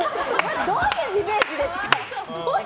どういうイメージですか！